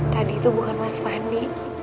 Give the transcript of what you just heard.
tadi itu bukan mas fadli